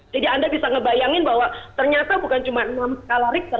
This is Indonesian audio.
jadi anda bisa membayangkan bahwa ternyata bukan cuma enam skala richter